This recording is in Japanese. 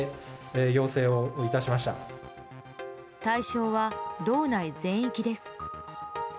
対象は道内全域です。